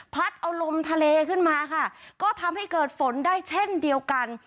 พัดเอาลมทะเลขึ้นมาค่ะก็ทำให้เกิดฝนได้เช่นเดียวกัน